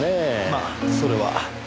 まあそれは。